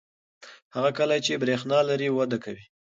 هغه کلی چې برېښنا لري وده کوي.